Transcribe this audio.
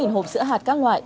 bốn hộp sữa hạt các loại